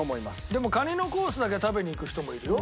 でもカニのコースだけ食べに行く人もいるよ。